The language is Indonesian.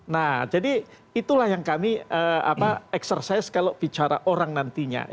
nah jadi itulah yang kami eksersis kalau bicara orang nantinya